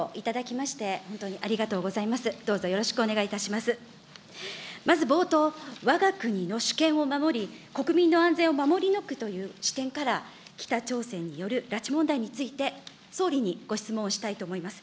まず冒頭、わが国の主権を守り、国民の安全を守り抜くという視点から、北朝鮮による拉致問題について、総理にご質問したいと思います。